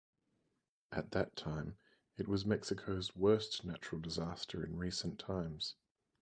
At that time, it was Mexico's worst natural disaster in recent times.